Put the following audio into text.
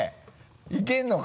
いけるのか？